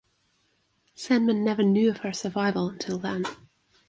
Sandman never knew of her survival until then.